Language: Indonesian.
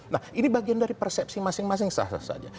nah ini bagian dari persepsi masing masing sah sah saja